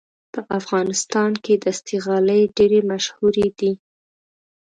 په افغانستان کې دستي غالۍ ډېرې مشهورې دي.